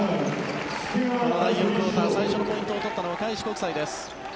第４クオーター最初のポイントを取ったのは開志国際です。